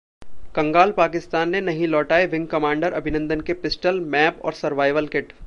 कंगाल पाकिस्तान ने नहीं लौटाए विंग कमांडर अभिनंदन के पिस्टल, मैप और सर्वाइवल किट